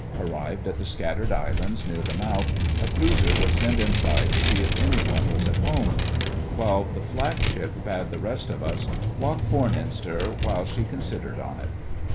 Arrived at the scattered Islands near the mouth, a cruiser was sent inside to see if any one was at home, while the Flagship bade the rest of us 'walk foreninst her while she considered on it.